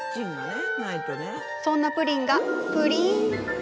そんなプリンがぷりん。